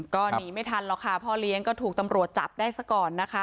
ก็หนีไม่ทันหรอกค่ะพ่อเลี้ยงก็ถูกตำรวจจับได้ซะก่อนนะคะ